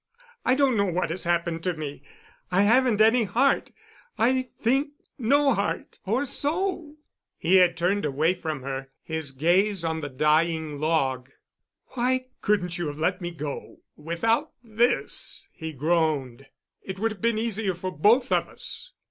I don't know what has happened to me—I haven't any heart—I think—no heart—or soul——" He had turned away from her, his gaze on the dying log. "Why couldn't you have let me go—without this?" he groaned. "It would have been easier for both of us."